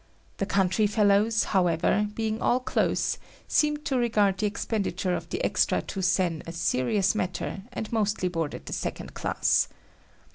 The country fellows, however, being all close, seemed to regard the expenditure of the extra two sen a serious matter and mostly boarded the second class.